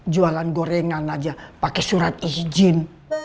jualan gorengan aja pakai surat izin